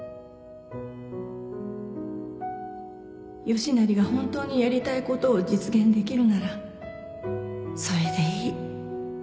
良成が本当にやりたいことを実現できるならそれでいい